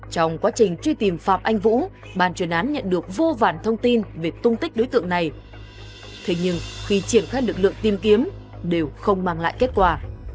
trong quá trình truy tìm phạm anh vũ ban chuyên án nhận được vô vàn thông tin về tung tích đối tượng này thế nhưng khi triển khai lực lượng tìm kiếm đều không mang lại kết quả